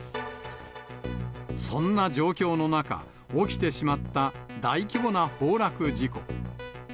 そんな状況の中、起きてしまった大規模な崩落事故。